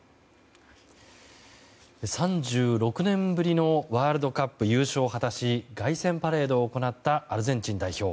３６年ぶりのワールドカップ優勝を果たし凱旋パレードを行ったアルゼンチン代表。